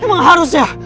emang harus ya